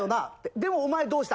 でもお前どうした？